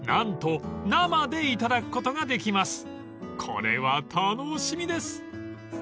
［これは楽しみです］